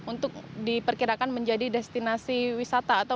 untuk diperkirakan menjadi destinasi wisata